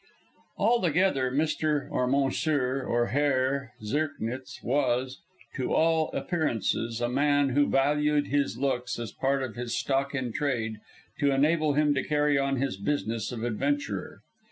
Altogether Mr., or Monsieur, or Herr Zirknitz was, to all appearances, a man who valued his looks as part of his stock in trade to enable him to carry on his business of adventurer.